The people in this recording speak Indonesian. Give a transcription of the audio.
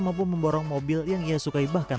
mampu memborong mobil yang ia sukai bahkan